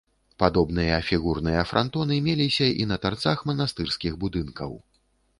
Падобныя фігурныя франтоны меліся і на тарцах манастырскіх будынкаў.